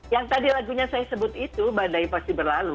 yang tadi lagunya saya sebut itu badai pasti berlalu